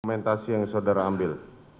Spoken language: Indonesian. dokumentasi yang saudara ambil